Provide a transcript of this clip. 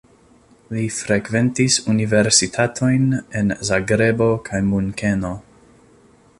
Li frekventis universitatojn en Zagrebo kaj Munkeno.